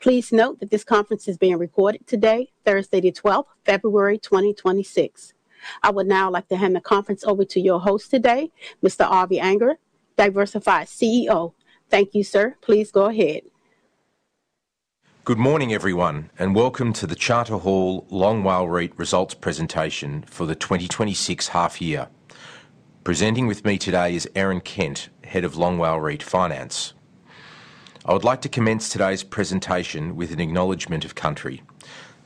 Please note that this conference is being recorded today, Thursday the 12th, February 2026. I would now like to hand the conference over to your host today, Mr. Avi Anger, Diversified CEO. Thank you, sir. Please go ahead. Good morning, everyone, and welcome to the Charter Hall Long WALE REIT results presentation for the 2026 half-year. Presenting with me today is Erin Kent, Head of Long WALE REIT Finance. I would like to commence today's presentation with an acknowledgment of country.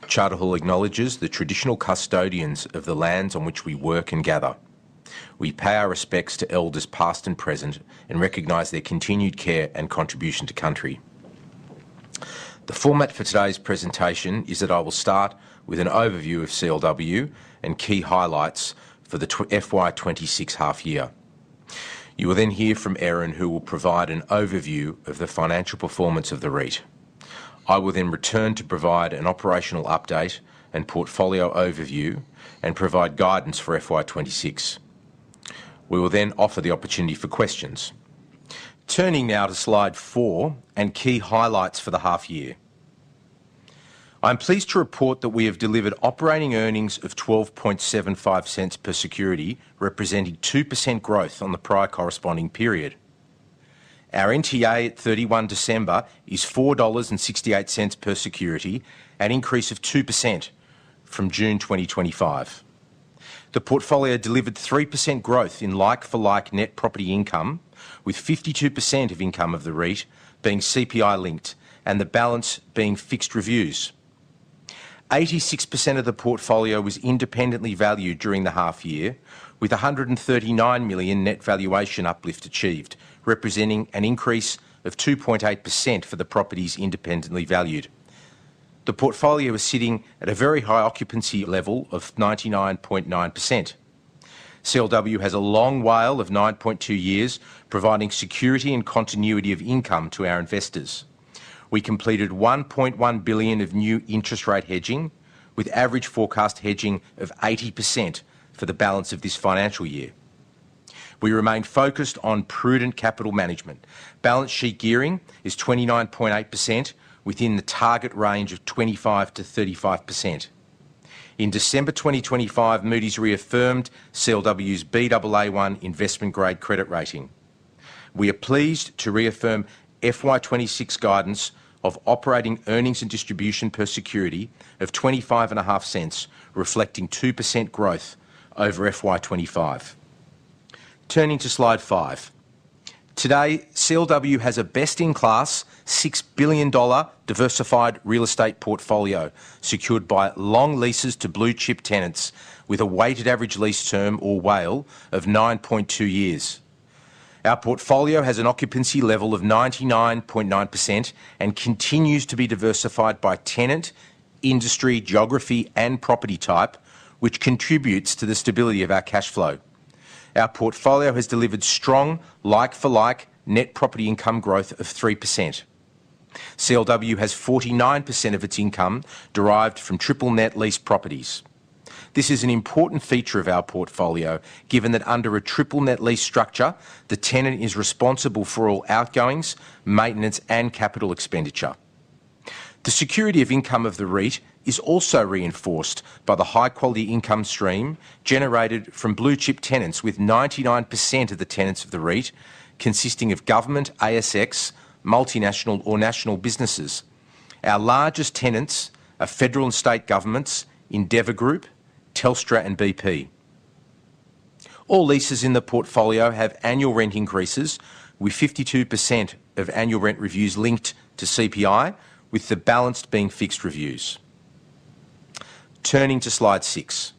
Charter Hall acknowledges the traditional custodians of the lands on which we work and gather. We pay our respects to elders past and present and recognize their continued care and contribution to country. The format for today's presentation is that I will start with an overview of CLW and key highlights for the FY 2026 half-year. You will then hear from Erin, who will provide an overview of the financial performance of the REIT. I will then return to provide an operational update and portfolio overview and provide guidance for FY 2026. We will then offer the opportunity for questions. Turning now to slide 4 and key highlights for the half-year. I am pleased to report that we have delivered operating earnings of 12.75 per security, representing 2% growth on the prior corresponding period. Our NTA at 31 December is 4.68 dollars per security, an increase of 2% from June 2025. The portfolio delivered 3% growth in like-for-like net property income, with 52% of income of the REIT being CPI-linked and the balance being fixed reviews. 86% of the portfolio was independently valued during the half-year, with 139 million net valuation uplift achieved, representing an increase of 2.8% for the properties independently valued. The portfolio is sitting at a very high occupancy level of 99.9%. CLW has a long WALE of 9.2 years providing security and continuity of income to our investors. We completed 1.1 billion of new interest-rate hedging, with average forecast hedging of 80% for the balance of this financial year. We remain focused on prudent capital management. Balance sheet gearing is 29.8%, within the target range of 25%-35%. In December 2025, Moody's reaffirmed CLW's Baa1 investment-grade credit rating. We are pleased to reaffirm FY 2026 guidance of operating earnings and distribution per security of 0.255, reflecting 2% growth over FY 2025. Turning to slide five. Today, CLW has a best-in-class 6 billion dollar diversified real estate portfolio secured by long leases to blue-chip tenants, with a weighted average lease term, or WALE, of 9.2 years. Our portfolio has an occupancy level of 99.9% and continues to be diversified by tenant, industry, geography, and property type, which contributes to the stability of our cash flow. Our portfolio has delivered strong like-for-like net property income growth of 3%. CLW has 49% of its income derived from triple-net lease properties. This is an important feature of our portfolio, given that under a triple-net lease structure, the tenant is responsible for all outgoings, maintenance, and capital expenditure. The security of income of the REIT is also reinforced by the high-quality income stream generated from blue-chip tenants, with 99% of the tenants of the REIT consisting of government, ASX, multinational, or national businesses. Our largest tenants are federal and state governments, Endeavour Group, Telstra, and BP. All leases in the portfolio have annual rent increases, with 52% of annual rent reviews linked to CPI, with the balance being fixed reviews. Turning to slide 6.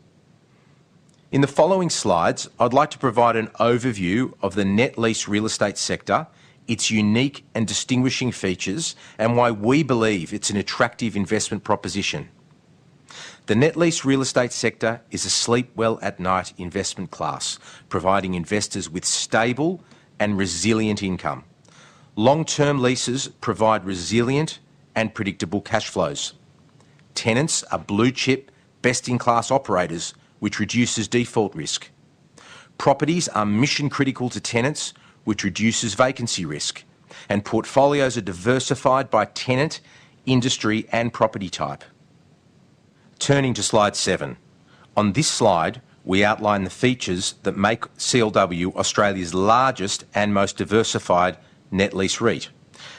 In the following slides, I would like to provide an overview of the net lease real estate sector, its unique and distinguishing features, and why we believe it's an attractive investment proposition. The net lease real estate sector is a sleep well at night investment class, providing investors with stable and resilient income. Long-term leases provide resilient and predictable cash flows. Tenants are blue-chip, best-in-class operators, which reduces default risk. Properties are mission-critical to tenants, which reduces vacancy risk, and portfolios are diversified by tenant, industry, and property type. Turning to slide seven. On this slide, we outline the features that make CLW Australia's largest and most diversified net lease REIT.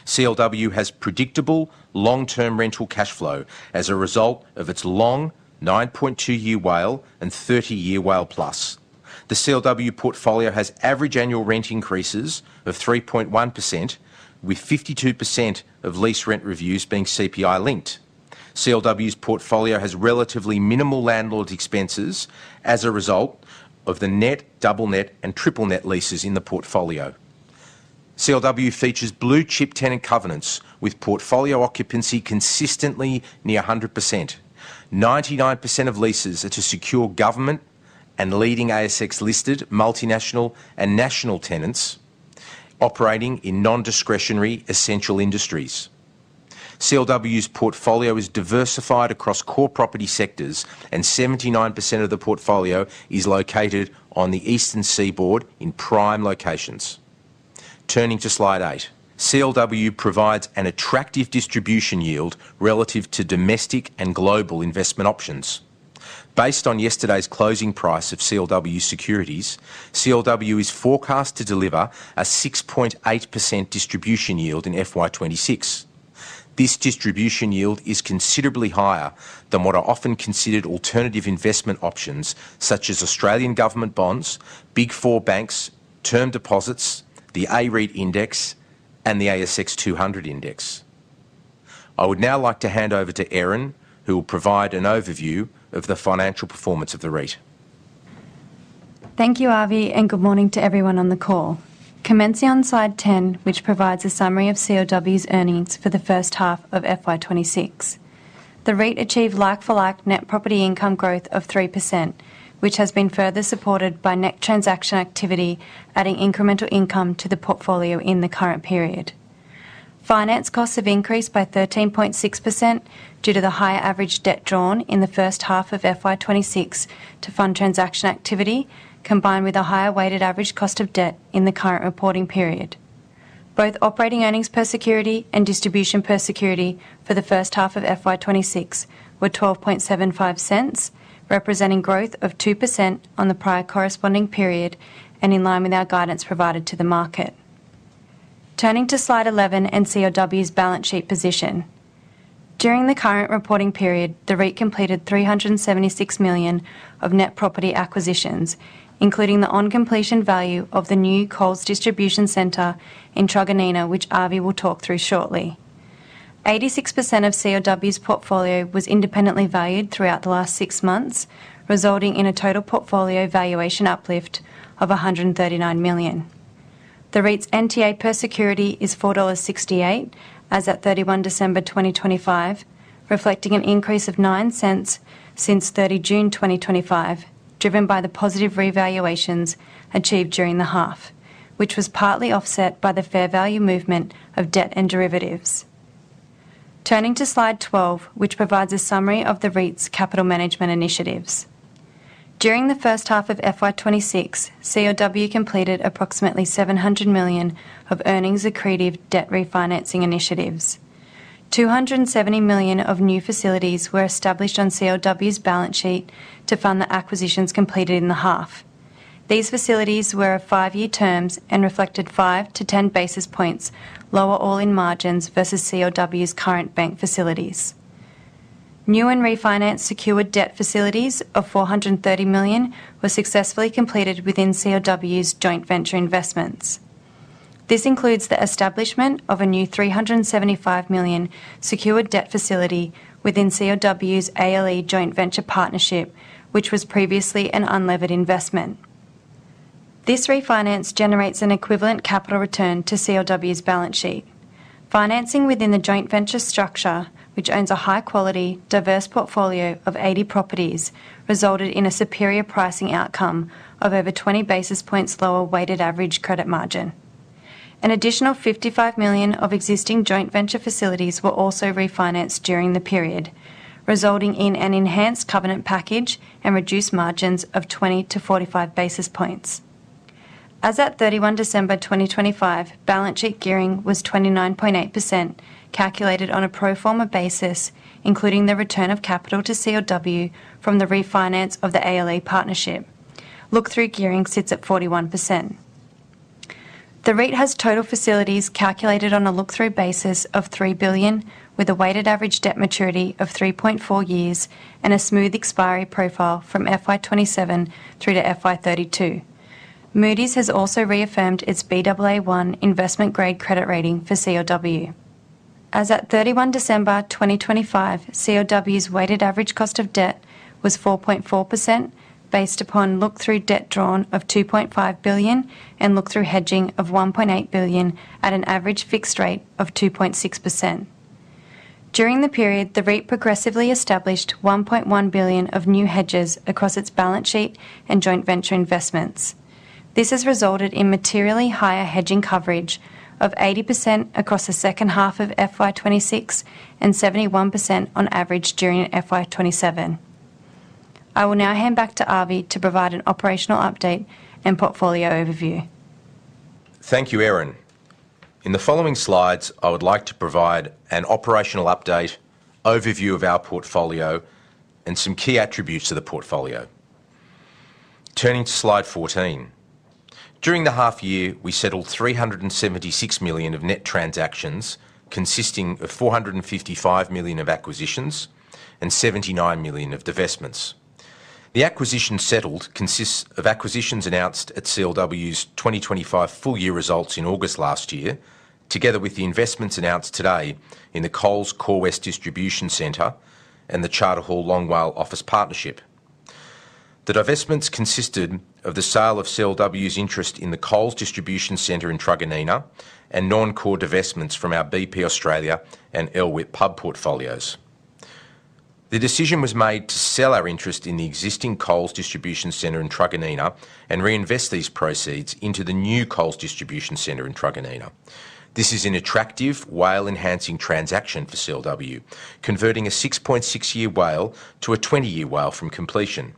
CLW has predictable long-term rental cash flow as a result of its long 9.2-year WALE and 30-year WALE-plus. The CLW portfolio has average annual rent increases of 3.1%, with 52% of lease rent reviews being CPI-linked. CLW's portfolio has relatively minimal landlord expenses as a result of the net, double-net, and triple-net leases in the portfolio. CLW features blue-chip tenant covenants, with portfolio occupancy consistently near 100%. 99% of leases are to secure government and leading ASX-listed, multinational, and national tenants operating in nondiscretionary essential industries. CLW's portfolio is diversified across core property sectors, and 79% of the portfolio is located on the eastern seaboard in prime locations. Turning to slide eight. CLW provides an attractive distribution yield relative to domestic and global investment options. Based on yesterday's closing price of CLW securities, CLW is forecast to deliver a 6.8% distribution yield in FY 2026. This distribution yield is considerably higher than what are often considered alternative investment options such as Australian government bonds, Big Four banks, term deposits, the A-REIT index, and the ASX 200 index. I would now like to hand over to Erin, who will provide an overview of the financial performance of the REIT. Thank you, Avi, and good morning to everyone on the call. Commence on slide 10, which provides a summary of CLW's earnings for the first half of FY 2026. The REIT achieved like-for-like net property income growth of 3%, which has been further supported by net transaction activity adding incremental income to the portfolio in the current period. Finance costs have increased by 13.6% due to the higher average debt drawn in the first half of FY 2026 to fund transaction activity, combined with a higher weighted average cost of debt in the current reporting period. Both operating earnings per security and distribution per security for the first half of FY 2026 were 0.1275, representing growth of 2% on the prior corresponding period and in line with our guidance provided to the market. Turning to slide 11 and CLW's balance sheet position. During the current reporting period, the REIT completed 376 million of net property acquisitions, including the on-completion value of the new Coles Distribution Centre in Truganina, which Avi will talk through shortly. 86% of CLW's portfolio was independently valued throughout the last six months, resulting in a total portfolio valuation uplift of 139 million. The REIT's NTA per security is 4.68 dollars as at 31 December 2025, reflecting an increase of 0.09 since 30 June 2025, driven by the positive revaluations achieved during the half, which was partly offset by the fair value movement of debt and derivatives. Turning to slide 12, which provides a summary of the REIT's capital management initiatives. During the first half of FY 2026, CLW completed approximately 700 million of earnings-accretive debt refinancing initiatives. 270 million of new facilities were established on CLW's balance sheet to fund the acquisitions completed in the half. These facilities were 5-year terms and reflected 5-10 basis points lower all-in margins versus CLW's current bank facilities. New and refinanced secured debt facilities of 430 million were successfully completed within CLW's joint venture investments. This includes the establishment of a new 375 million secured debt facility within CLW's ALE joint venture partnership, which was previously an unlevered investment. This refinance generates an equivalent capital return to CLW's balance sheet. Financing within the joint venture structure, which owns a high-quality, diverse portfolio of 80 properties, resulted in a superior pricing outcome of over 20 basis points lower weighted average credit margin. An additional 55 million of existing joint venture facilities were also refinanced during the period, resulting in an enhanced covenant package and reduced margins of 20-45 basis points. As at 31 December 2025, balance sheet gearing was 29.8%, calculated on a pro forma basis, including the return of capital to CLW from the refinance of the ALE partnership. Look-through gearing sits at 41%. The REIT has total facilities calculated on a look-through basis of 3 billion, with a weighted average debt maturity of 3.4 years and a smooth expiry profile from FY 2027 through to FY32. Moody's has also reaffirmed its Baa1 investment-grade credit rating for CLW. As at 31 December 2025, CLW's weighted average cost of debt was 4.4%, based upon look-through debt drawn of AUD 2.5 billion and look-through hedging of AUD 1.8 billion at an average fixed rate of 2.6%. During the period, the REIT progressively established 1.1 billion of new hedges across its balance sheet and joint venture investments. This has resulted in materially higher hedging coverage of 80% across the second half of FY 2026 and 71% on average during FY 2027. I will now hand back to Avi to provide an operational update and portfolio overview. Thank you, Erin. In the following slides, I would like to provide an operational update, overview of our portfolio, and some key attributes to the portfolio. Turning to slide 14. During the half-year, we settled 376 million of net transactions, consisting of 455 million of acquisitions and 79 million of divestments. The acquisitions settled consist of acquisitions announced at CLW's 2025 full-year results in August last year, together with the investments announced today in the Coles Core West Distribution Centre and the Charter Hall Long WALE Office Partnership. The divestments consisted of the sale of CLW's interest in the Coles Distribution Centre in Truganina and non-core divestments from our BP Australia and ALE Pub portfolios. The decision was made to sell our interest in the existing Coles Distribution Centre in Truganina and reinvest these proceeds into the new Coles Distribution Centre in Truganina. This is an attractive WALE-enhancing transaction for CLW, converting a 6.6-year WALE to a 20-year WALE from completion.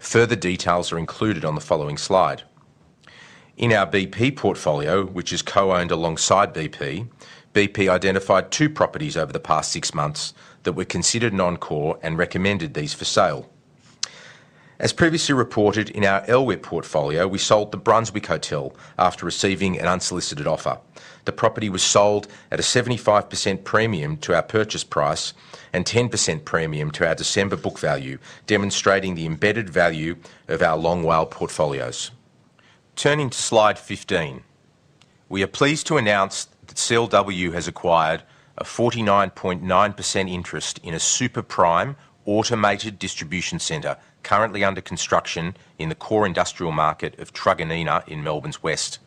Further details are included on the following slide. In our BP portfolio, which is co-owned alongside BP, BP identified 2 properties over the past 6 months that were considered non-core and recommended these for sale. As previously reported, in our ALE portfolio, we sold the Brunswick Hotel after receiving an unsolicited offer. The property was sold at a 75% premium to our purchase price and 10% premium to our December book value, demonstrating the embedded value of our Long WALE portfolios. Turning to slide 15. We are pleased to announce that CLW has acquired a 49.9% interest in a super-prime automated distribution centre currently under construction in the core industrial market of Truganina in Melbourne's west.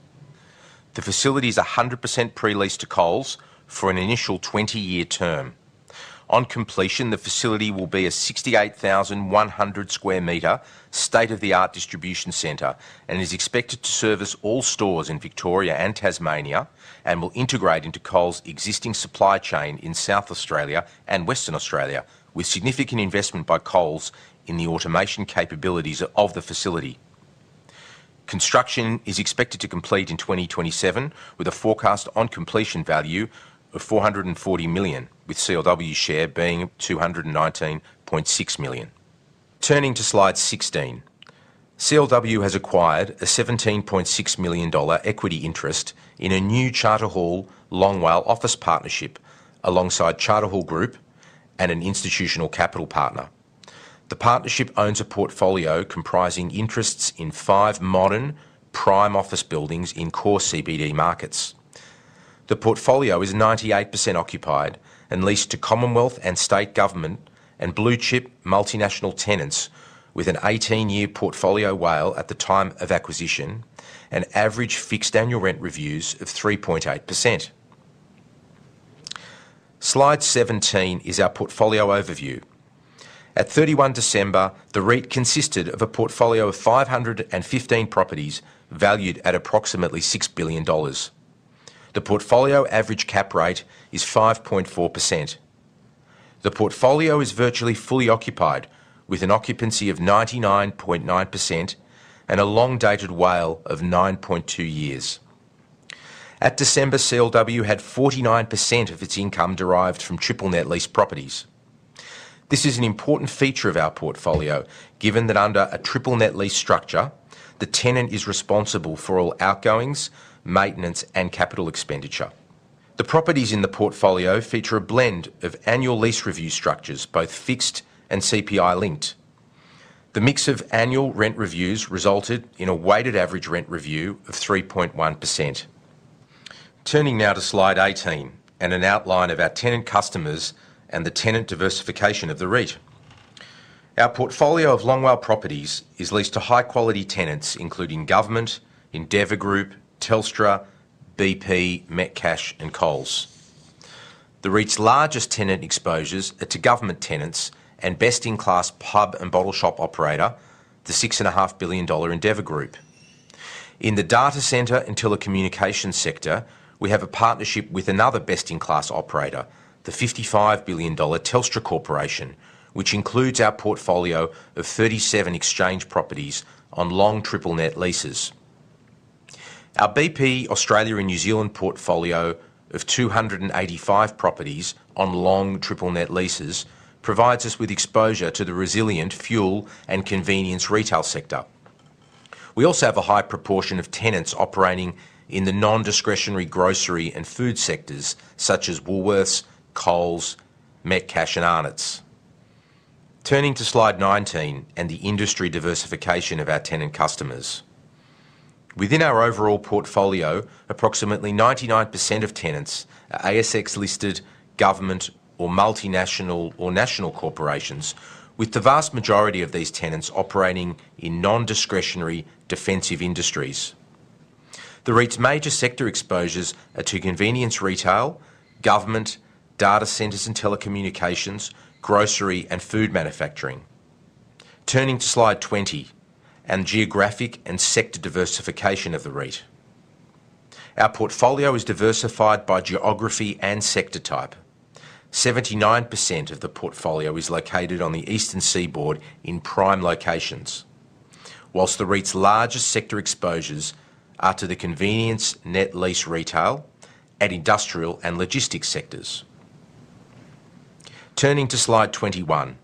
The facility is 100% pre-leased to Coles for an initial 20-year term. On completion, the facility will be a 68,100-square-meter state-of-the-art distribution center and is expected to service all stores in Victoria and Tasmania and will integrate into Coles' existing supply chain in South Australia and Western Australia, with significant investment by Coles in the automation capabilities of the facility. Construction is expected to complete in 2027, with a forecast on-completion value of 440 million, with CLW's share being 219.6 million. Turning to slide 16. CLW has acquired a 17.6 million dollar equity interest in a new Charter Hall Long WALE Office Partnership alongside Charter Hall Group and an institutional capital partner. The partnership owns a portfolio comprising interests in five modern prime office buildings in core CBD markets. The portfolio is 98% occupied and leased to Commonwealth and state government and blue-chip multinational tenants, with an 18-year portfolio WALE at the time of acquisition and average fixed annual rent reviews of 3.8%. Slide 17 is our portfolio overview. At 31 December, the REIT consisted of a portfolio of 515 properties valued at approximately 6 billion dollars. The portfolio average cap rate is 5.4%. The portfolio is virtually fully occupied, with an occupancy of 99.9% and a long-dated WALE of 9.2 years. At December, CLW had 49% of its income derived from triple-net lease properties. This is an important feature of our portfolio, given that under a triple-net lease structure, the tenant is responsible for all outgoings, maintenance, and capital expenditure. The properties in the portfolio feature a blend of annual lease review structures, both fixed and CPI-linked. The mix of annual rent reviews resulted in a weighted average rent review of 3.1%. Turning now to slide 18 and an outline of our tenant customers and the tenant diversification of the REIT. Our portfolio of Long WALE properties is leased to high-quality tenants, including government, Endeavour Group, Telstra, BP, Metcash, and Coles. The REIT's largest tenant exposures are to government tenants and best-in-class pub and bottleshop operator, the 6.5 billion dollar Endeavour Group. In the data center and telecommunications sector, we have a partnership with another best-in-class operator, the 55 billion dollar Telstra Corporation, which includes our portfolio of 37 exchange properties on long triple-net leases. Our BP Australia and New Zealand portfolio of 285 properties on long triple-net leases provides us with exposure to the resilient fuel and convenience retail sector. We also have a high proportion of tenants operating in the nondiscretionary grocery and food sectors such as Woolworths, Coles, Metcash, and Arnott's. Turning to slide 19 and the industry diversification of our tenant customers. Within our overall portfolio, approximately 99% of tenants are ASX-listed government or multinational or national corporations, with the vast majority of these tenants operating in nondiscretionary defensive industries. The REIT's major sector exposures are to convenience retail, government, data centers and telecommunications, grocery, and food manufacturing. Turning to slide 20 and the geographic and sector diversification of the REIT. Our portfolio is diversified by geography and sector type. 79% of the portfolio is located on the eastern seaboard in prime locations, while the REIT's largest sector exposures are to the convenience net lease retail and industrial and logistics sectors. Turning to slide 21.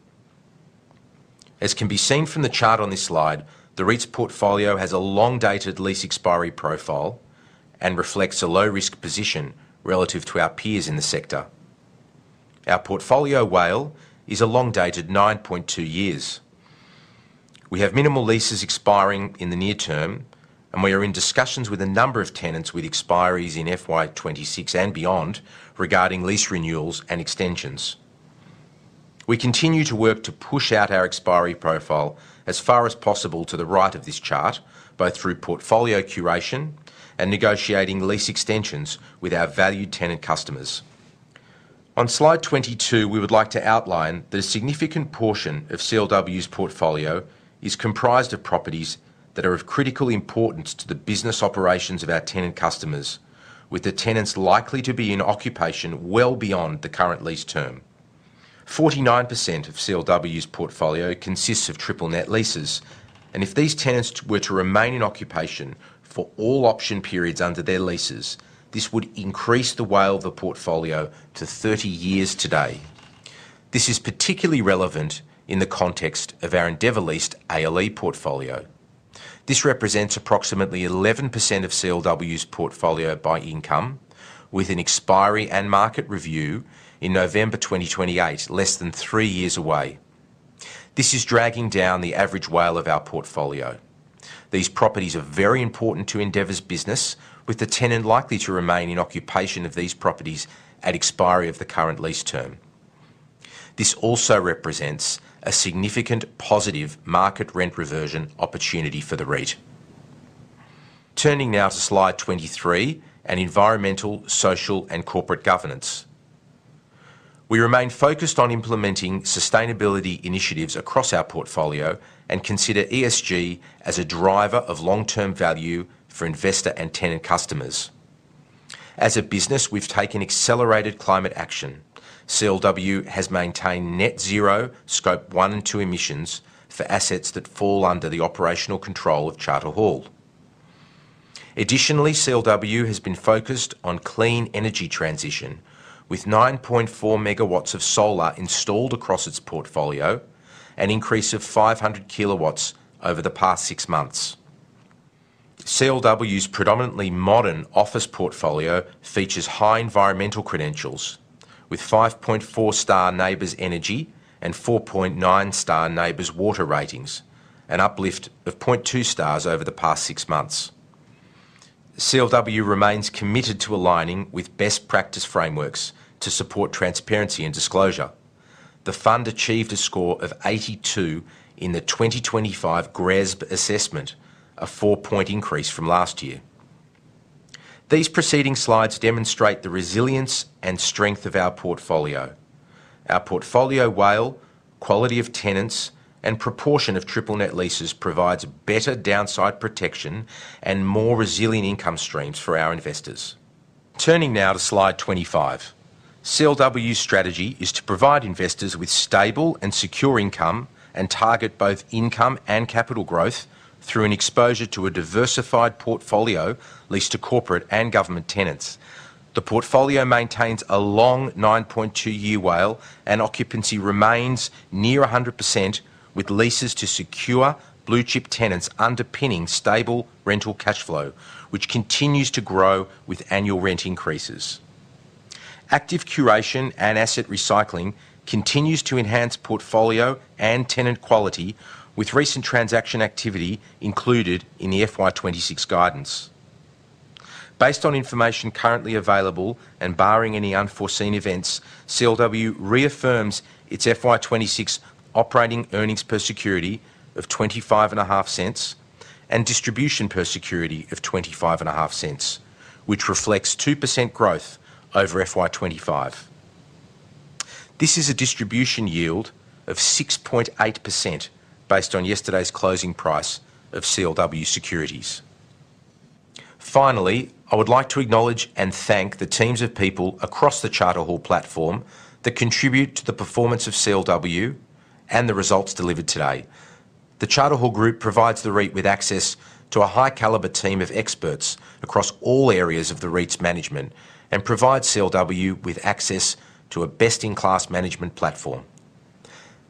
As can be seen from the chart on this slide, the REIT's portfolio has a long-dated lease expiry profile and reflects a low-risk position relative to our peers in the sector. Our portfolio WALE is a long-dated 9.2 years. We have minimal leases expiring in the near term, and we are in discussions with a number of tenants with expiries in FY 2026 and beyond regarding lease renewals and extensions. We continue to work to push out our expiry profile as far as possible to the right of this chart, both through portfolio curation and negotiating lease extensions with our valued tenant customers. On slide 22, we would like to outline that a significant portion of CLW's portfolio is comprised of properties that are of critical importance to the business operations of our tenant customers, with the tenants likely to be in occupation well beyond the current lease term. 49% of CLW's portfolio consists of triple-net leases, and if these tenants were to remain in occupation for all option periods under their leases, this would increase the WALE of the portfolio to 30 years today. This is particularly relevant in the context of our Endeavour Leased ALE portfolio. This represents approximately 11% of CLW's portfolio by income, with an expiry and market review in November 2028 less than three years away. This is dragging down the average WALE of our portfolio. These properties are very important to Endeavour's business, with the tenant likely to remain in occupation of these properties at expiry of the current lease term. This also represents a significant positive market rent reversion opportunity for the REIT. Turning now to slide 23 and environmental, social, and corporate governance. We remain focused on implementing sustainability initiatives across our portfolio and consider ESG as a driver of long-term value for investor and tenant customers. As a business, we've taken accelerated climate action. CLW has maintained net-zero, scope one, and two emissions for assets that fall under the operational control of Charter Hall. Additionally, CLW has been focused on clean energy transition, with 9.4 megawatts of solar installed across its portfolio and an increase of 500 kilowatts over the past six months. CLW's predominantly modern office portfolio features high environmental credentials, with 5.4-star NABERS Energy and 4.9-star NABERS Water ratings, an uplift of 0.2 stars over the past six months. CLW remains committed to aligning with best practice frameworks to support transparency and disclosure. The fund achieved a score of 82 in the 2025 GRESB assessment, a four-point increase from last year. These preceding slides demonstrate the resilience and strength of our portfolio. Our portfolio WALE, quality of tenants, and proportion of triple-net leases provide better downside protection and more resilient income streams for our investors. Turning now to slide 25. CLW's strategy is to provide investors with stable and secure income and target both income and capital growth through an exposure to a diversified portfolio leased to corporate and government tenants. The portfolio maintains a long 9.2-year WALE, and occupancy remains near 100%, with leases to secure blue-chip tenants underpinning stable rental cash flow, which continues to grow with annual rent increases. Active curation and asset recycling continues to enhance portfolio and tenant quality, with recent transaction activity included in the FY 2026 guidance. Based on information currently available and barring any unforeseen events, CLW reaffirms its FY 2026 operating earnings per security of 0.255 and distribution per security of 0.255, which reflects 2% growth over FY 2025. This is a distribution yield of 6.8% based on yesterday's closing price of CLW securities. Finally, I would like to acknowledge and thank the teams of people across the Charter Hall platform that contribute to the performance of CLW and the results delivered today. The Charter Hall Group provides the REIT with access to a high-caliber team of experts across all areas of the REIT's management and provides CLW with access to a best-in-class management platform.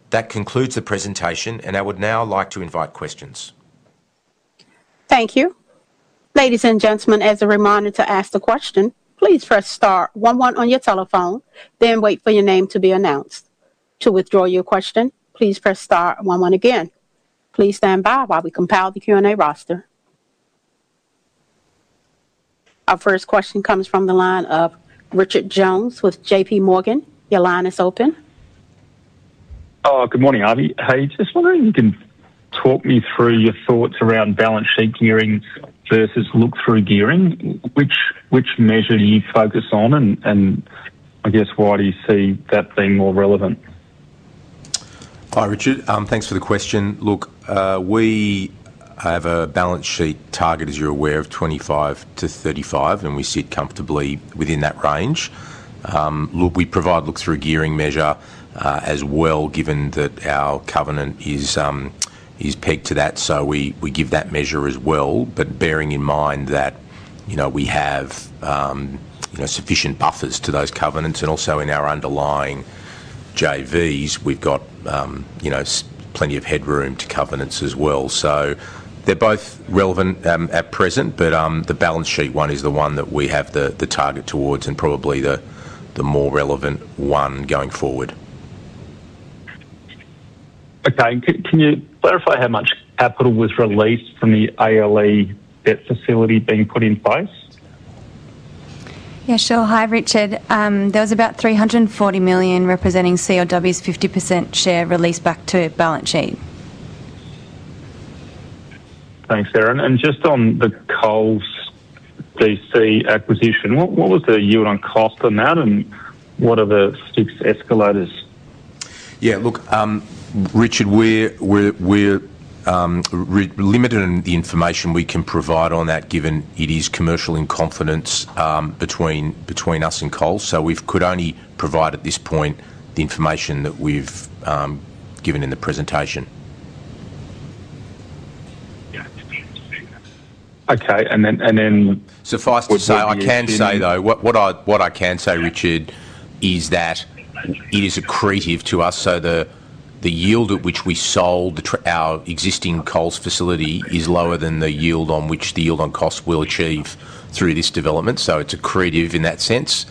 That concludes the presentation, and I would now like to invite questions. Thank you. Ladies and gentlemen, as a reminder to ask the question, please press star one one on your telephone, then wait for your name to be announced. To withdraw your question, please press star one one again. Please stand by while we compile the Q&A roster. Our first question comes from the line of Richard Jones with JPMorgan. Your line is open. Good morning, Avi. Hey, just wondering if you can talk me through your thoughts around balance sheet gearing versus look-through gearing. Which measure do you focus on, and I guess why do you see that being more relevant? Hi, Richard. Thanks for the question. Look, we have a balance sheet target, as you're aware, of 25-35, and we sit comfortably within that range. We provide look-through gearing measure as well, given that our covenant is pegged to that, so we give that measure as well, but bearing in mind that we have sufficient buffers to those covenants. And also, in our underlying JVs, we've got plenty of headroom to covenants as well. So they're both relevant at present, but the balance sheet one is the one that we have the target towards and probably the more relevant one going forward. Okay. Can you clarify how much capital was released from the ALE debt facility being put in place? Yeah, sure. Hi, Richard. There was about 340 million representing CLW's 50% share released back to balance sheet. Thanks, Erin. Just on the Coles DC acquisition, what was the yield on cost amount, and what are the six escalators? Yeah. Look, Richard, we're limited in the information we can provide on that, given it is commercial in confidence between us and Coles. So we could only provide, at this point, the information that we've given in the presentation. Okay. And then. Suffice to say, I can say, though, what I can say, Richard, is that it is accretive to us. So the yield at which we sold our existing Coles facility is lower than the yield on which the yield on cost will achieve through this development. So it's accretive in that sense,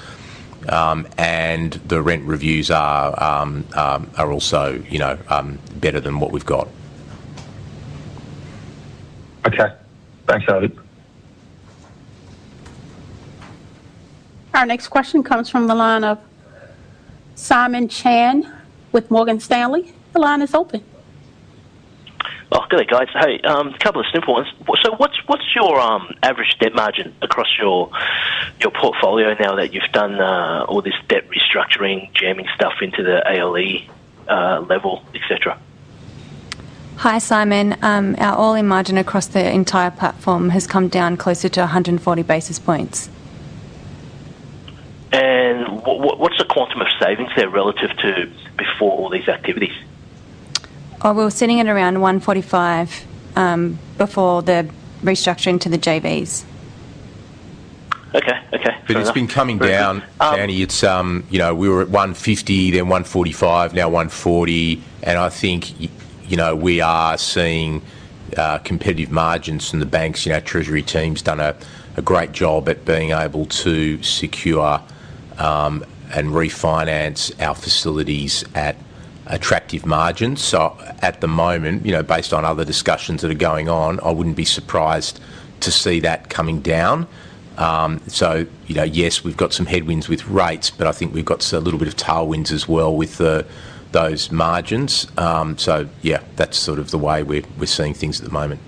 and the rent reviews are also better than what we've got. Okay. Thanks, Avi. Our next question comes from the line of Simon Chan with Morgan Stanley. Your line is open. Good day, guys. Hey, a couple of simple ones. So what's your average debt margin across your portfolio now that you've done all this debt restructuring, jamming stuff into the ALE level, etc.? Hi, Simon. Our all-in margin across the entire platform has come down closer to 140 basis points. What's the quantum of savings there relative to before all these activities? We were sitting at around 145 before the restructuring to the JVs. Okay. Okay. If it's been coming down, Simon, we were at 150, then 145, now 140. I think we are seeing competitive margins, and the banks, treasury teams done a great job at being able to secure and refinance our facilities at attractive margins. At the moment, based on other discussions that are going on, I wouldn't be surprised to see that coming down. Yes, we've got some headwinds with rates, but I think we've got a little bit of tailwinds as well with those margins. Yeah, that's sort of the way we're seeing things at the moment.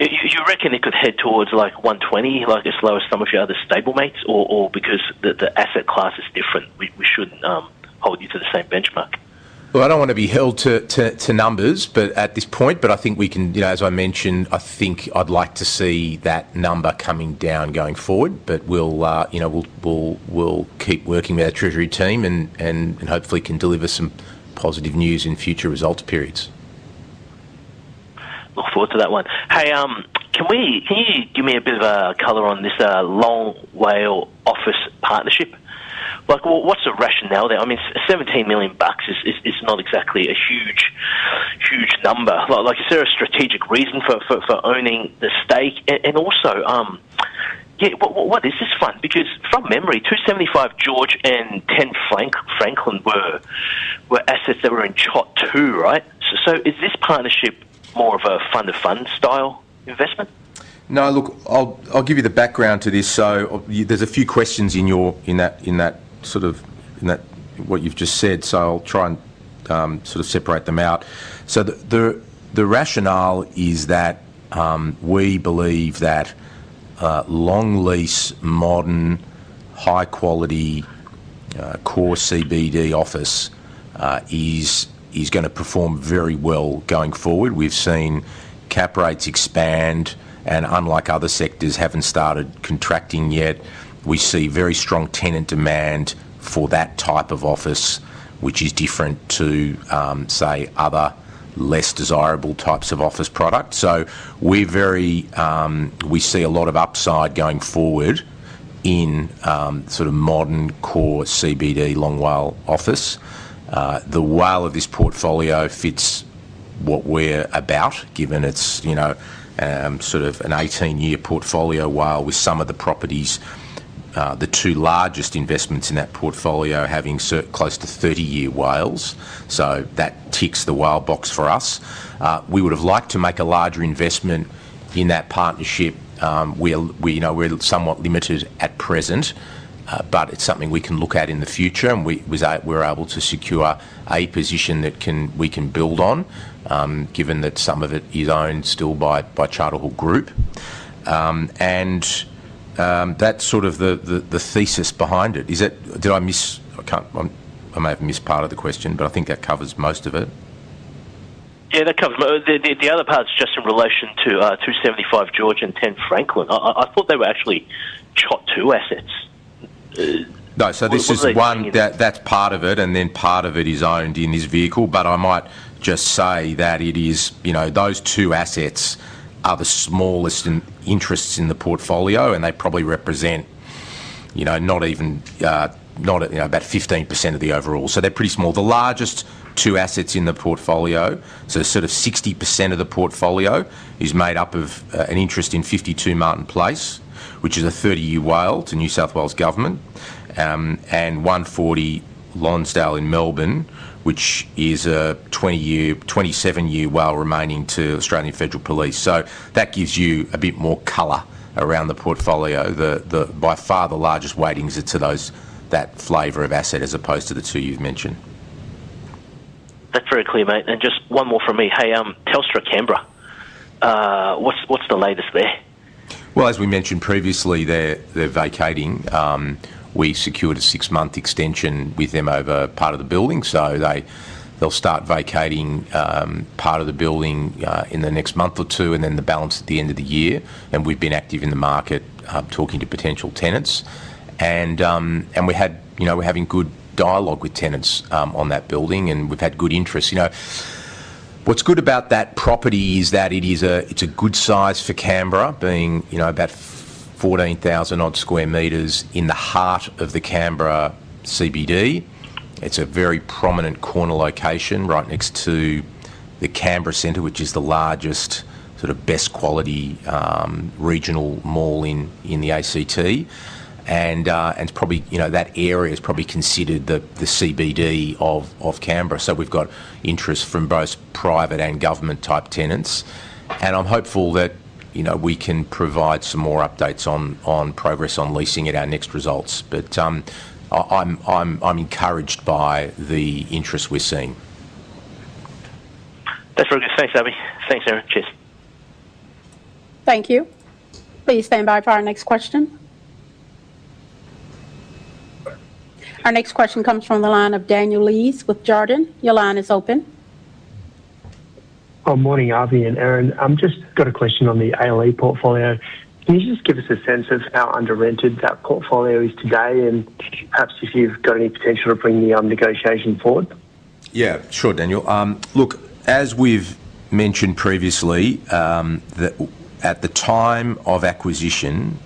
You reckon it could head towards 120, like as low as some of your other stablemates, or because the asset class is different, we shouldn't hold you to the same benchmark? Look, I don't want to be held to numbers at this point, but I think we can, as I mentioned, I think I'd like to see that number coming down going forward, but we'll keep working with our treasury team and hopefully can deliver some positive news in future results periods. Look forward to that one. Hey, can you give me a bit of a color on this Long WALE Office Partnership? What's the rationale there? I mean, 17 million bucks is not exactly a huge number. Is there a strategic reason for owning the stake? And also, what is this fund? Because from memory, 275 George and 10 Franklin were assets that were in chapter two, right? So is this partnership more of a fund-of-fund style investment? No, look, I'll give you the background to this. So there's a few questions in that sort of what you've just said, so I'll try and sort of separate them out. So the rationale is that we believe that long lease, modern, high-quality core CBD office is going to perform very well going forward. We've seen cap rates expand, and unlike other sectors, haven't started contracting yet. We see very strong tenant demand for that type of office, which is different to, say, other, less desirable types of office products. So we see a lot of upside going forward in sort of modern core CBD long WALE office. The WALE of this portfolio fits what we're about, given it's sort of an 18-year portfolio WALE with some of the properties, the two largest investments in that portfolio having close to 30-year WALEs. So that ticks the WALE box for us. We would have liked to make a larger investment in that partnership. We're somewhat limited at present, but it's something we can look at in the future, and we're able to secure a position that we can build on, given that some of it is owned still by Charter Hall Group. And that's sort of the thesis behind it. Did I miss? I may have missed part of the question, but I think that covers most of it. Yeah, that covers most of it. The other part's just in relation to 275 George and 10 Franklin. I thought they were actually the two assets. No, so this is one that's part of it, and then part of it is owned in this vehicle. But I might just say that those two assets are the smallest interests in the portfolio, and they probably represent not even about 15% of the overall. So they're pretty small. The largest two assets in the portfolio, so sort of 60% of the portfolio, is made up of an interest in 52 Martin Place, which is a 30-year WALE to New South Wales government, and 140 Lonsdale in Melbourne, which is a 27-year WALE remaining to Australian Federal Police. So that gives you a bit more color around the portfolio. By far, the largest weightings are to that flavor of asset as opposed to the two you've mentioned. That's very clear, mate. Just one more from me. Hey, Telstra Canberra, what's the latest there? Well, as we mentioned previously, they're vacating. We secured a six-month extension with them over part of the building. So they'll start vacating part of the building in the next month or two and then the balance at the end of the year. We've been active in the market talking to potential tenants. We're having good dialogue with tenants on that building, and we've had good interest. What's good about that property is that it's a good size for Canberra, being about 14,000-odd square meters in the heart of the Canberra CBD. It's a very prominent corner location right next to the Canberra Centre, which is the largest sort of best-quality regional mall in the ACT. That area is probably considered the CBD of Canberra. So we've got interest from both private and government-type tenants. I'm hopeful that we can provide some more updates on progress on leasing at our next results. But I'm encouraged by the interest we're seeing. That's very good. Thanks, Avi. Thanks, Erin. Cheers. Thank you. Please stand by for our next question. Our next question comes from the line of Daniel Lees with Jarden. Your line is open. Good morning, Avi and Erin. I've just got a question on the ALE portfolio. Can you just give us a sense of how under-rented that portfolio is today, and perhaps if you've got any potential to bring the negotiation forward? Yeah, sure, Daniel. Look, as we've mentioned previously, at the time of acquisition,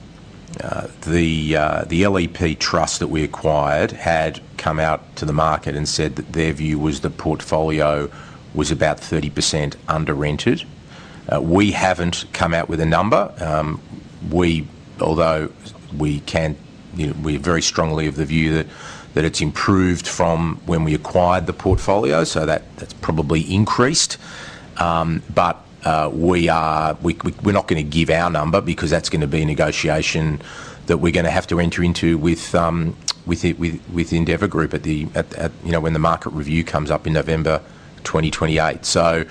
the ALE Trust that we acquired had come out to the market and said that their view was the portfolio was about 30% under-rented. We haven't come out with a number. Although we are very strongly of the view that it's improved from when we acquired the portfolio, so that's probably increased. But we're not going to give our number because that's going to be a negotiation that we're going to have to enter into with Endeavour Group when the market review comes up in November 2028. So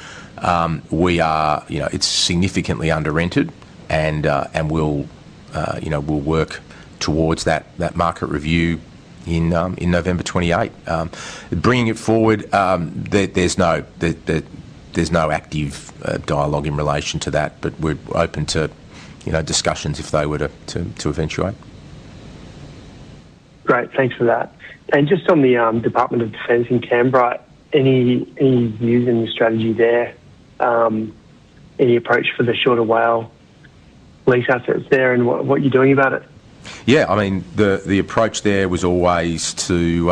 it's significantly under-rented, and we'll work towards that market review in November 2028. Bringing it forward, there's no active dialogue in relation to that, but we're open to discussions if they were to eventuate. Great. Thanks for that. Just on the Department of Defence in Canberra, any views on your strategy there, any approach for the shorter WALE lease assets there, and what you're doing about it? Yeah. I mean, the approach there was always to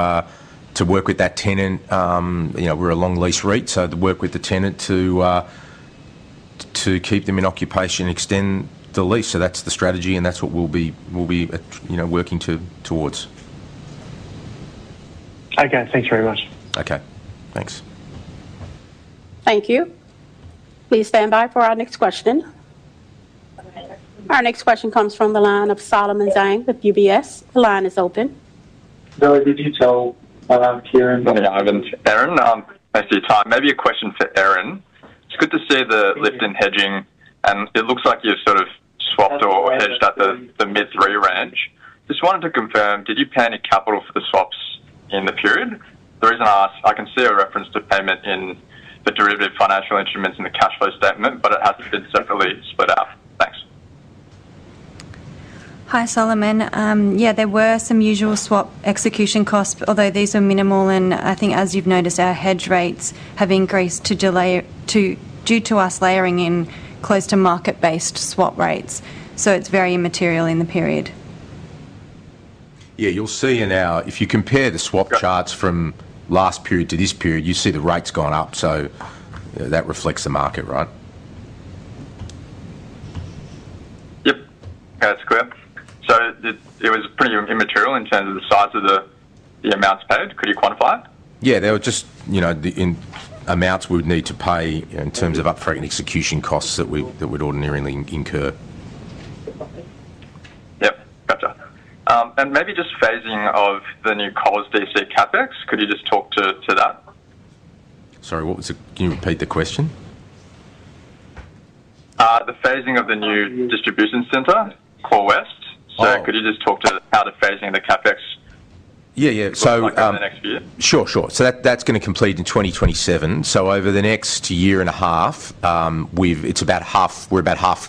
work with that tenant. We're a long lease REIT, so to work with the tenant to keep them in occupation, extend the lease. So that's the strategy, and that's what we'll be working towards. Okay. Thanks very much. Okay. Thanks. Thank you. Please stand by for our next question. Our next question comes from the line of Solomon Zhang with UBS. Your line is open. Good morning, Avi. Erin, thanks for your time. Maybe a question for Erin. It's good to see the lift in hedging, and it looks like you've sort of swapped or hedged at the mid-three range. Just wanted to confirm, did you put up capital for the swaps in the period? The reason I ask, I can see a reference to payments on the derivative financial instruments in the cash flow statement, but it hasn't been separately split out. Thanks. Hi, Solomon. Yeah, there were some usual swap execution costs, although these were minimal. And I think, as you've noticed, our hedge rates have increased due to us layering in close-to-market-based swap rates. So it's very immaterial in the period. Yeah. You'll see in our if you compare the swap charts from last period to this period, you see the rates gone up. So that reflects the market, right? Yep. Yeah, that's correct. So it was pretty immaterial in terms of the size of the amounts paid. Could you quantify it? Yeah. They were just the amounts we would need to pay in terms of upfront execution costs that we'd ordinarily incur. Yep. Gotcha. Maybe just phasing of the new Coles DC CapEx. Could you just talk to that? Sorry, what was that? Can you repeat the question? The phasing of the new distribution center, Core West. Could you just talk to how the phasing of the CapEx looks like over the next year? Yeah, yeah. Sure, sure. So that's going to complete in 2027. So over the next year and a half, we're about halfway there.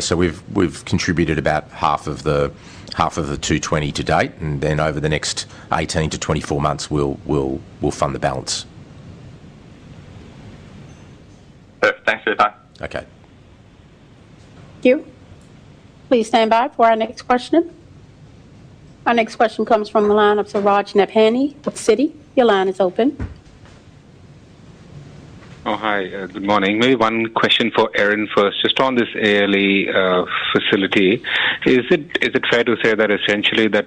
So we've contributed about half of the 220 million to date, and then over the next 18-24 months, we'll fund the balance. Perfect. Thanks, everyone. Okay. Thank you. Please stand by for our next question. Our next question comes from the line of Suraj Nebhani with Citi. Your line is open. Oh, hi. Good morning. Maybe, one question for Erin first. Just on this ALE facility, is it fair to say that essentially that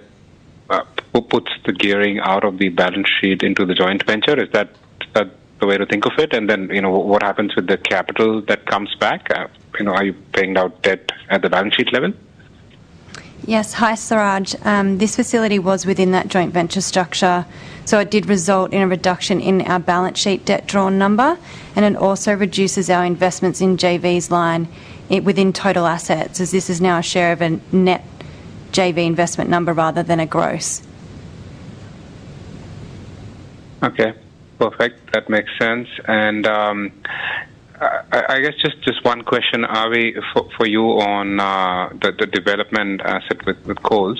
who puts the gearing out of the balance sheet into the joint venture? Is that the way to think of it? And then what happens with the capital that comes back? Are you paying out debt at the balance sheet level? Yes. Hi, Suraj. This facility was within that joint venture structure, so it did result in a reduction in our balance sheet debt drawn number, and it also reduces our investments in JVs line within total assets, as this is now a share of a net JV investment number rather than a gross. Okay. Perfect. That makes sense. And I guess just one question, Avi, for you on the development asset with Coles.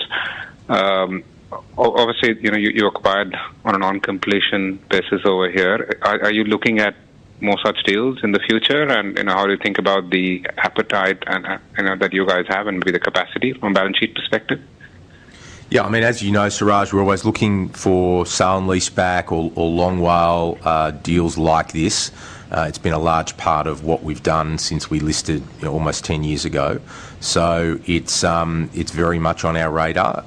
Obviously, you acquired on an on-completion basis over here. Are you looking at more such deals in the future, and how do you think about the appetite that you guys have and maybe the capacity from a balance sheet perspective? Yeah. I mean, as you know, Suraj, we're always looking for sound lease back or long WALE deals like this. It's been a large part of what we've done since we listed almost 10 years ago. So it's very much on our radar.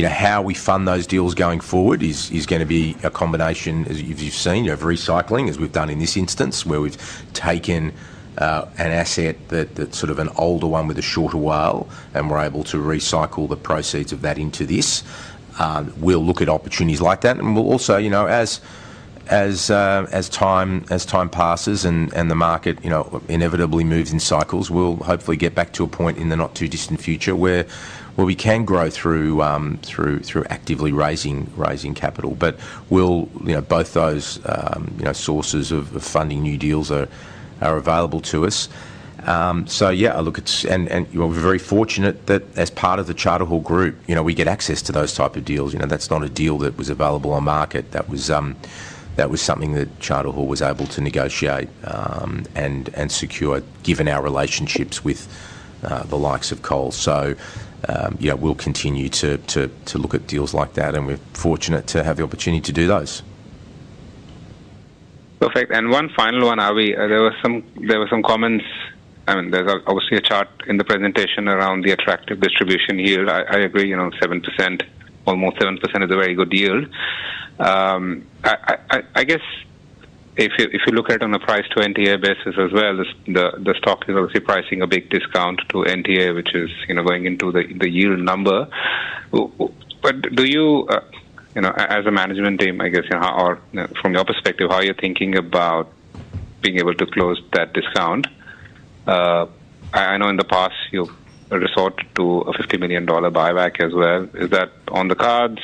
How we fund those deals going forward is going to be a combination, as you've seen, of recycling, as we've done in this instance where we've taken an asset, sort of an older one with a shorter WALE, and we're able to recycle the proceeds of that into this. We'll look at opportunities like that. And we'll also, as time passes and the market inevitably moves in cycles, we'll hopefully get back to a point in the not-too-distant future where we can grow through actively raising capital. But both those sources of funding new deals are available to us. So yeah, I look at and we're very fortunate that as part of the Charter Hall Group, we get access to those type of deals. That's not a deal that was available on market. That was something that Charter Hall was able to negotiate and secure, given our relationships with the likes of Coles. So we'll continue to look at deals like that, and we're fortunate to have the opportunity to do those. Perfect. And one final one, Avi. There were some comments. I mean, there's obviously a chart in the presentation around the attractive distribution yield. I agree, almost 7% is a very good yield. I guess if you look at it on a price-to-NTA basis as well, the stock is obviously pricing a big discount to NTA, which is going into the yield number. But do you, as a management team, I guess, from your perspective, how are you thinking about being able to close that discount? I know in the past, you resorted to an 50 million dollar buyback as well. Is that on the cards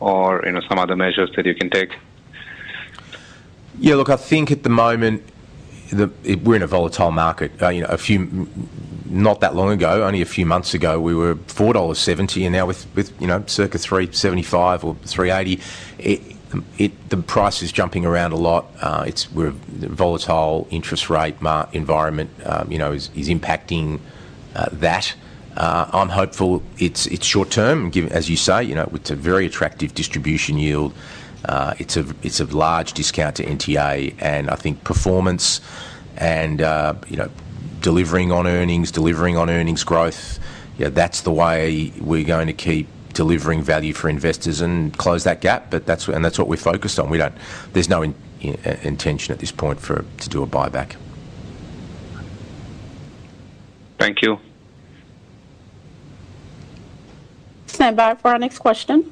or some other measures that you can take? Yeah. Look, I think at the moment, we're in a volatile market. Not that long ago, only a few months ago, we were 4.70 dollars, and now with circa 3.75 or 3.80, the price is jumping around a lot. We're a volatile interest rate environment is impacting that. I'm hopeful it's short-term. As you say, it's a very attractive distribution yield. It's a large discount to NTA, and I think performance and delivering on earnings, delivering on earnings growth, that's the way we're going to keep delivering value for investors and close that gap, and that's what we're focused on. There's no intention at this point to do a buyback. Thank you. Stand by for our next question.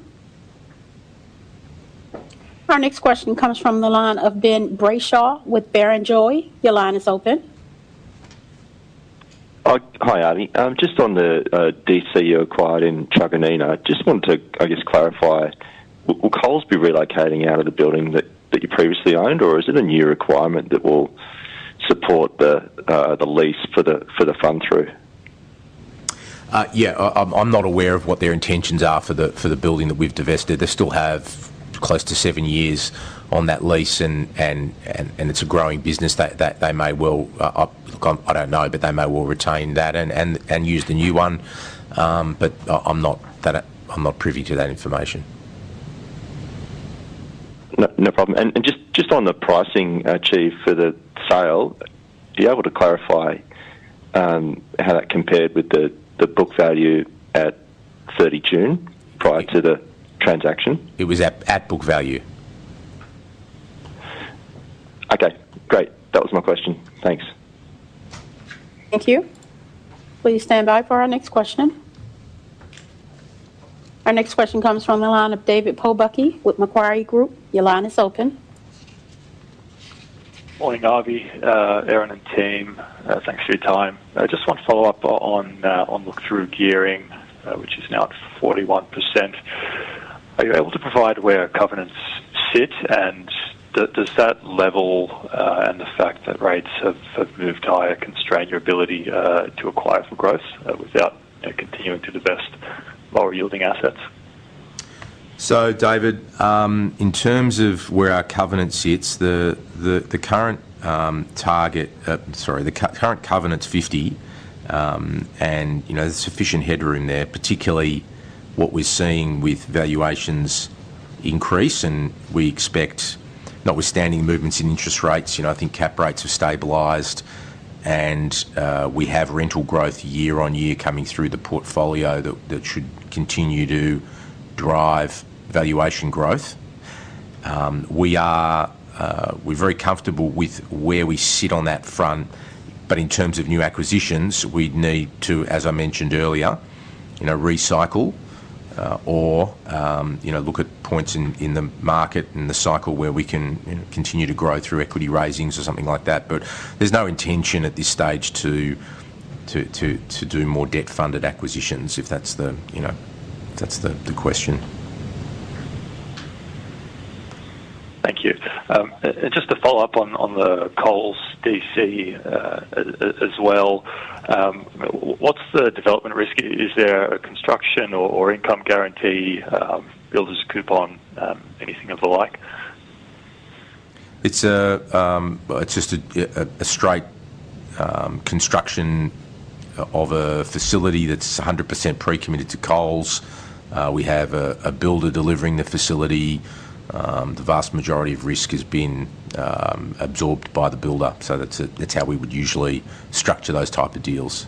Our next question comes from the line of Ben Brayshaw with Barrenjoey. Your line is open. Hi, Avi. Just on the DC you acquired in Truganina, I just wanted to, I guess, clarify. Will Coles be relocating out of the building that you previously owned, or is it a new requirement that will support the lease for the fund-through? Yeah. I'm not aware of what their intentions are for the building that we've divested. They still have close to 7 years on that lease, and it's a growing business. They may well look, I don't know, but they may well retain that and use the new one. But I'm not privy to that information. No problem. And just on the pricing, Chief, for the sale, are you able to clarify how that compared with the book value at 30 June prior to the transaction? It was at book value. Okay. Great. That was my question. Thanks. Thank you. Please stand by for our next question. Our next question comes from the line of David Pobucky with Macquarie Group. Your line is open. Morning, Avi, Erin, and team. Thanks for your time. I just want to follow up on look-through gearing, which is now at 41%. Are you able to provide where covenants sit, and does that level and the fact that rates have moved higher constrain your ability to acquire for growth without continuing to divest lower-yielding assets? So, David, in terms of where our covenant sits, the current target—sorry, the current covenant's 50, and there's sufficient headroom there, particularly what we're seeing with valuations increase. And we expect, notwithstanding movements in interest rates, I think cap rates have stabilized, and we have rental growth year-over-year coming through the portfolio that should continue to drive valuation growth. We're very comfortable with where we sit on that front, but in terms of new acquisitions, we'd need to, as I mentioned earlier, recycle or look at points in the market and the cycle where we can continue to grow through equity raisings or something like that. But there's no intention at this stage to do more debt-funded acquisitions if that's the question. Thank you. Just to follow up on the Coles DC as well, what's the development risk? Is there a construction or income guarantee, builders coupon, anything of the like? It's just a straight construction of a facility that's 100% pre-committed to Coles. We have a builder delivering the facility. The vast majority of risk has been absorbed by the builder, so that's how we would usually structure those type of deals.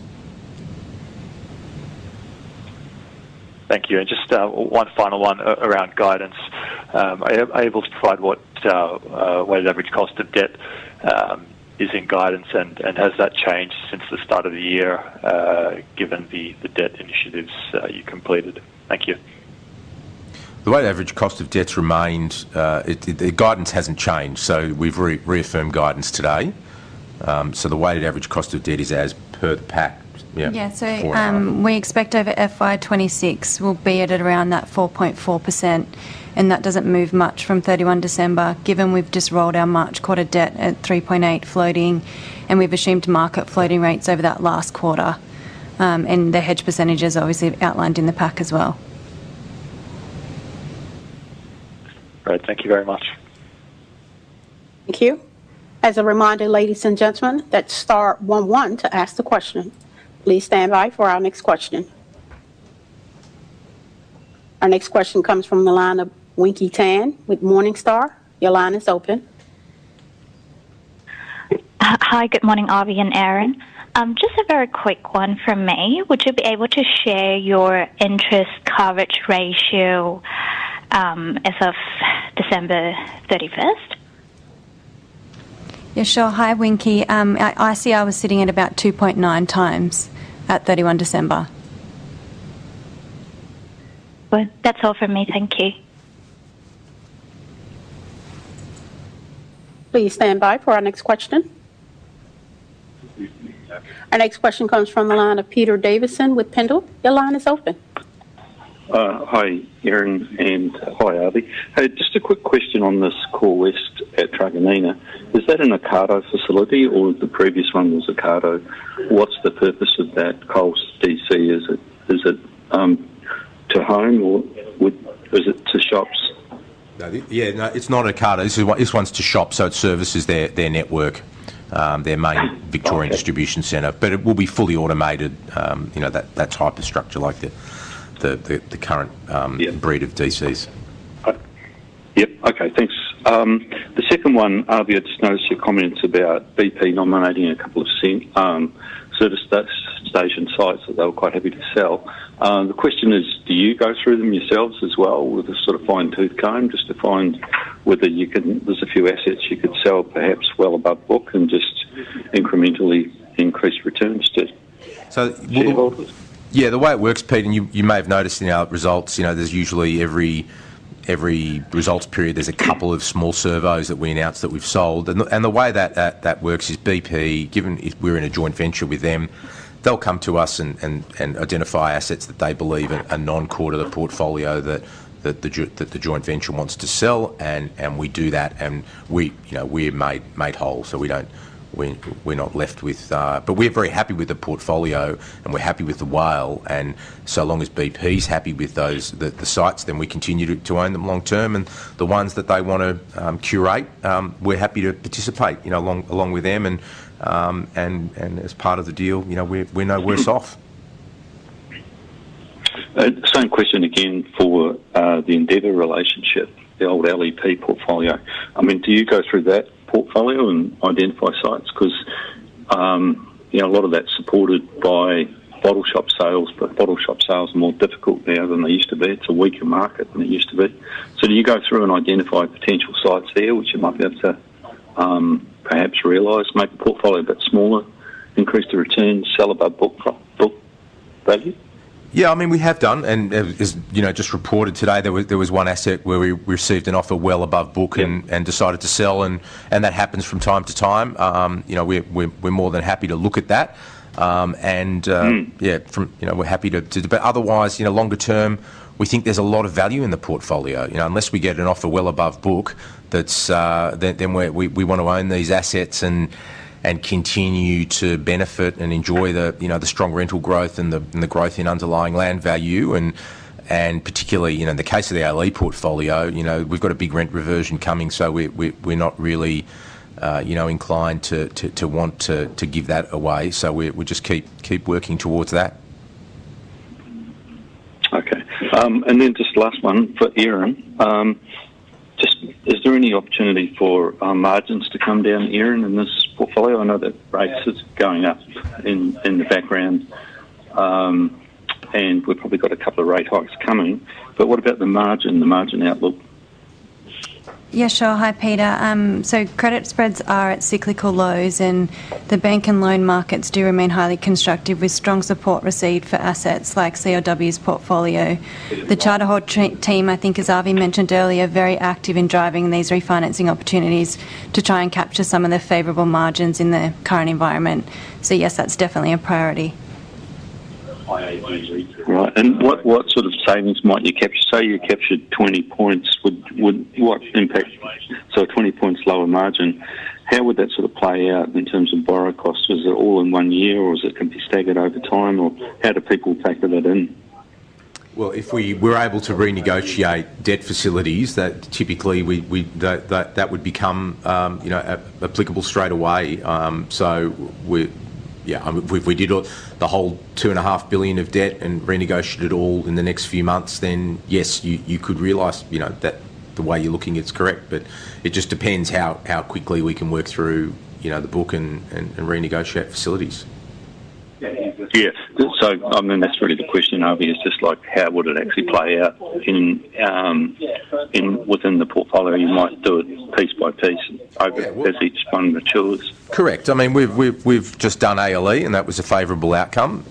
Thank you. Just one final one around guidance. Are you able to provide what weighted average cost of debt is in guidance, and has that changed since the start of the year given the debt initiatives you completed? Thank you. The weighted average cost of debt's remained. The guidance hasn't changed, so we've reaffirmed guidance today. So the weighted average cost of debt is as per the pack, yeah, for our. Yeah. So we expect over FY 2026, we'll be at around that 4.4%, and that doesn't move much from 31 December given we've just rolled our March quarter debt at 3.8 floating, and we've assumed market floating rates over that last quarter. And the hedge percentage is obviously outlined in the pack as well. Great. Thank you very much. Thank you. As a reminder, ladies and gentlemen, that's star one one to ask the question. Please stand by for our next question. Our next question comes from the line of Winky Tan with Morningstar. Your line is open. Hi. Good morning, Avi and Erin. Just a very quick one from me. Would you be able to share your interest coverage ratio as of December 31st? Yeah, sure. Hi, Winky. I see I was sitting at about 2.9 times at 31 December. Good. That's all from me. Thank you. Please stand by for our next question. Our next question comes from the line of Peter Davidson with Pendal. Your line is open. Hi, Erin, and hi, Avi. Just a quick question on this Coles West at Truganina. Is that an Ocado facility, or the previous one was Ocado? What's the purpose of that Coles DC? Is it to home, or is it to shops? Yeah. No, it's not Ocado. This one's to shops, so it services their network, their main Victorian distribution center. But it will be fully automated, that type of structure like the current breed of DCs. Yep. Okay. Thanks. The second one, Avi, I just noticed your comments about BP nominating a couple of service station sites that they were quite happy to sell. The question is, do you go through them yourselves as well with a sort of fine-tooth comb just to find whether there's a few assets you could sell perhaps well above book and just incrementally increase returns to it? So will the. Yeah. The way it works, Pete, and you may have noticed in our results, there's usually every results period, there's a couple of small assets that we announce that we've sold. And the way that works is BP, given if we're in a joint venture with them, they'll come to us and identify assets that they believe are non-core of the portfolio that the joint venture wants to sell, and we do that. And we're made whole, so we're not left with but we're very happy with the portfolio, and we're happy with the WALE. And so long as BP's happy with the sites, then we continue to own them long-term. And the ones that they want to cull, we're happy to participate along with them. And as part of the deal, we're no worse off. Same question again for the Endeavour relationship, the old ALE portfolio. I mean, do you go through that portfolio and identify sites? Because a lot of that's supported by bottle shop sales, but bottle shop sales are more difficult now than they used to be. It's a weaker market than it used to be. So do you go through and identify potential sites there, which you might be able to perhaps realize, make the portfolio a bit smaller, increase the returns, sell above book value? Yeah. I mean, we have done. As just reported today, there was one asset where we received an offer well above book and decided to sell, and that happens from time to time. We're more than happy to look at that. And yeah, we're happy to, but otherwise, longer term, we think there's a lot of value in the portfolio. Unless we get an offer well above book, then we want to own these assets and continue to benefit and enjoy the strong rental growth and the growth in underlying land value. And particularly in the case of the ALE portfolio, we've got a big rent reversion coming, so we're not really inclined to want to give that away. So we just keep working towards that. Okay. And then just last one for Erin. Is there any opportunity for margins to come down, Erin, in this portfolio? I know that rate's going up in the background, and we've probably got a couple of rate hikes coming. But what about the margin, the margin outlook? Yeah, sure. Hi, Peter. So credit spreads are at cyclical lows, and the bank and loan markets do remain highly constructive with strong support received for assets like CLW's portfolio. The Charter Hall team, I think, as Avi mentioned earlier, are very active in driving these refinancing opportunities to try and capture some of the favorable margins in the current environment. So yes, that's definitely a priority. Right. And what sort of savings might you capture? Say you captured 20 points. So a 20-point lower margin, how would that sort of play out in terms of borrow costs? Is it all in one year, or can it be staggered over time? Or how do people factor that in? Well, if we were able to renegotiate debt facilities, typically, that would become applicable straightaway. So yeah, if we did the whole 2.5 billion of debt and renegotiated it all in the next few months, then yes, you could realize that the way you're looking at it is correct. But it just depends how quickly we can work through the book and renegotiate facilities. Yeah. And that's really the question, Avi, is just how would it actually play out within the portfolio? You might do it piece by piece as each fund matures? Correct. I mean, we've just done ALE, and that was a favorable outcome.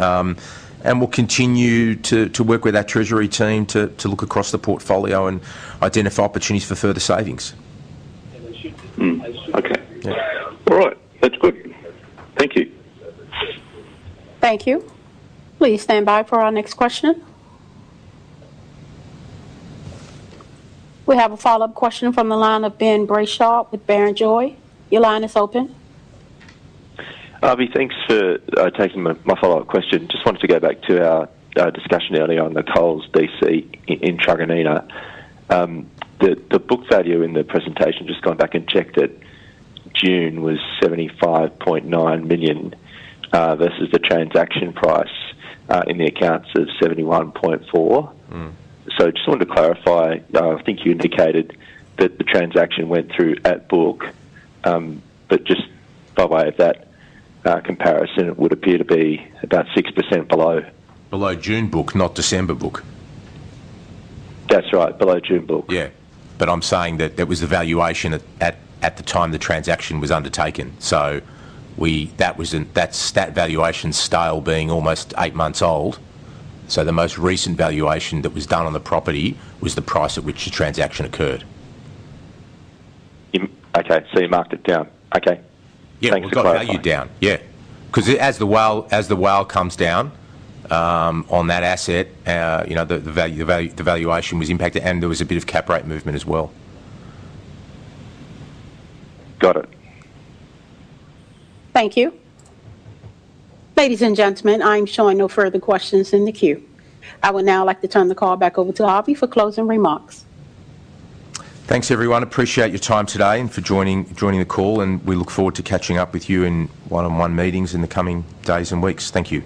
And we'll continue to work with our treasury team to look across the portfolio and identify opportunities for further savings. Okay. All right. That's good. Thank you. Thank you. Please stand by for our next question. We have a follow-up question from the line of Ben Brayshaw with Barrenjoey. Your line is open. Avi, thanks for taking my follow-up question. Just wanted to go back to our discussion earlier on the Coles DC in Truganina. The book value in the presentation, just going back and checked it, June was 75.9 million versus the transaction price in the accounts of 71.4 million. So I just wanted to clarify. I think you indicated that the transaction went through at book, but just by way of that comparison, it would appear to be about 6% below. Below June book, not December book. That's right. Below June book. Yeah. But I'm saying that that was the valuation at the time the transaction was undertaken. So that valuation, stale being almost eight months old, so the most recent valuation that was done on the property was the price at which the transaction occurred. Okay. So you marked it down. Okay. Thanks. Yeah. We've got value down. Yeah. Because as the WALE comes down on that asset, the valuation was impacted, and there was a bit of cap rate movement as well. Got it. Thank you. Ladies and gentlemen, I'm sure I know further questions in the queue. I would now like to turn the call back over to Avi for closing remarks. Thanks, everyone. Appreciate your time today and for joining the call, and we look forward to catching up with you in one-on-one meetings in the coming days and weeks. Thank you.